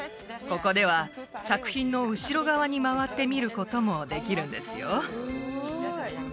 ここでは作品の後ろ側に回って見ることもできるんですよ